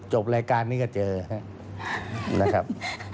จบรายการนี้ก็เจอนะครับ